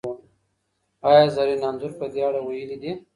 ایا زرین انځور په دې اړه ویلي دي؟